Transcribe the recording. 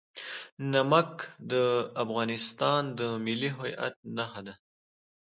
نمک د افغانستان د ملي هویت نښه ده.